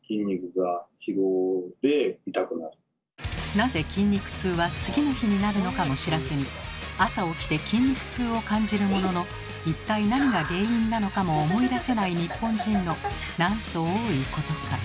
なぜ筋肉痛は次の日になるのかも知らずに朝起きて筋肉痛を感じるものの一体何が原因なのかも思い出せない日本人のなんと多いことか。